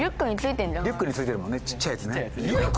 リュックについてるもんね小っちゃいやつね。